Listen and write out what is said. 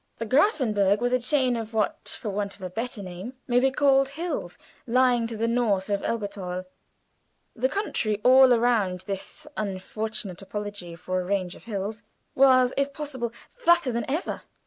The Grafenberg was a low chain of what, for want of a better name, may be called hills, lying to the north of Elberthal. The country all around this unfortunate apology for a range of hills was, if possible, flatter than ever.